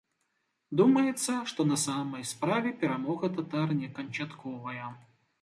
Думаецца, што на самай справе перамога татар не канчатковая.